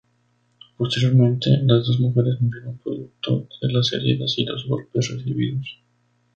Posteriormente las dos mujeres murieron producto de las heridas y los golpes recibidos.